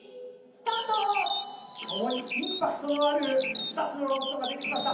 共にインパクトのある２つのロボットが出てきました。